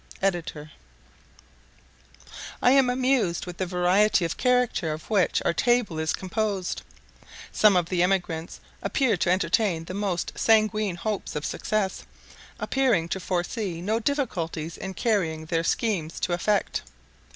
Ed.] I am amused with the variety of characters of which our table is composed. Some of the emigrants appear to entertain the most sanguine hopes of success, appearing to foresee no difficulties in carrying their schemes into effect.